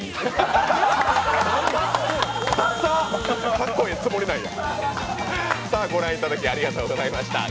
かっこええつもりなんや。